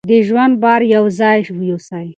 د ژوند بار یو ځای یوسئ.